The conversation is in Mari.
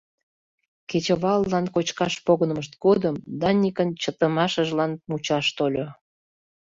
Кечываллан кочкаш погынымышт годым Даникын чытымашыжлан мучаш тольо.